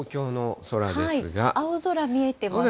青空見えてますよね。